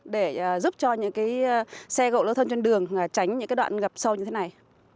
để giúp cho những xe gậu lô thân trên đường tránh những đoạn gặp sâu như thế này